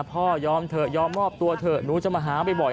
พ่อยอมเถอะยอมมอบตัวเถอะหนูจะมาหาบ่อย